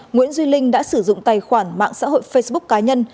nguyễn duy linh đã sử dụng tài khoản mạng xã hội facebook cá nhân